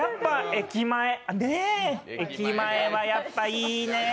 駅前はやっぱいいねえ。